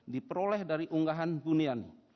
diperoleh dari unggahan buniani